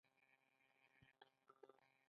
آیا وریجې ډیرو اوبو ته اړتیا لري؟